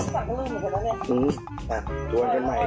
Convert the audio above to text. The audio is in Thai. สั่งลืมเหรอครับแม่ค้าอืมจวนกันใหม่เลย